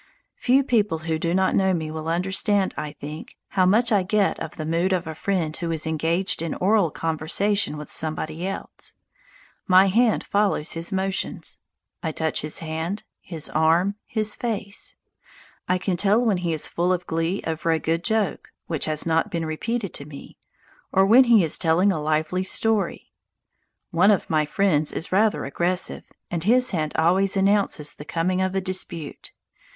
Few people who do not know me will understand, I think, how much I get of the mood of a friend who is engaged in oral conversation with somebody else. My hand follows his motions; I touch his hand, his arm, his face. I can tell when he is full of glee over a good joke which has not been repeated to me, or when he is telling a lively story. One of my friends is rather aggressive, and his hand always announces the coming of a dispute.